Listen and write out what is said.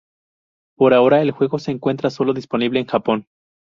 Por ahora el juego se encuentra solo disponible en Japón.